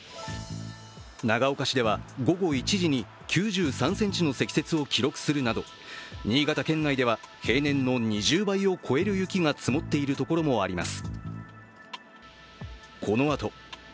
長岡市では午後１時に９３ｃｍの積雪を記録するなど新潟県内では平年の２０倍を超える雪が積もっている所もあります。